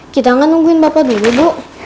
kita akan nungguin bapak dulu bu